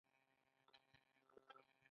پکورې د سبو خواږه بڼه لري